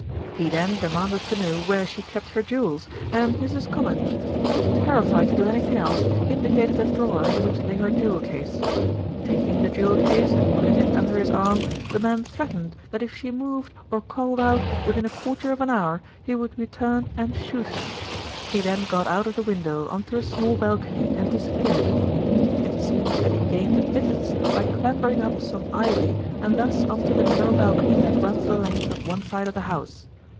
He then demanded to know where she kept her jewels, and Mrs. Comminge, too terrified to do anything else, indicated a drawer in which lay her jewel case. Taking the jewel case and putting it under his arm, the man threatened that if she moved or called out within a quarter of an hour he would return and shoot her. He then got out of the window on to a small balcony and disappeared. It seems that he gained admittance by clambering up some ivy and thus on to the narrow balcony that runs the length of one side of the house.